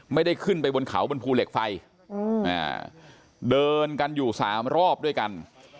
ไม่ได้ขึ้นไปบนเขาบนภูเหล็กไฟเดินกันอยู่สามรอบด้วยกัน